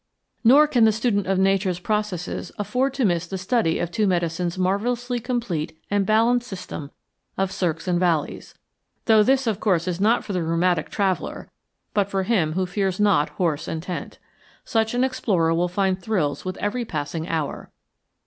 Nor can the student of Nature's processes afford to miss the study of Two Medicine's marvellously complete and balanced system of cirques and valleys though this of course is not for the rheumatic traveller but for him who fears not horse and tent. Such an explorer will find thrills with every passing hour.